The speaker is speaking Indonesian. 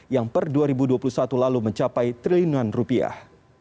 yang per dua ribu dua puluh satu lalu mencapai triliunan rupiah